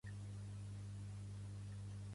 El Mujal no pot respondre.